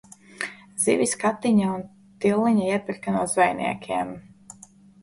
Zivis Katiņa un Tilliņa iepirka no zvejniekiem.